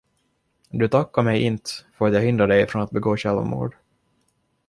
Du tackade mig inte, för att jag hindrade dig från att begå självmord.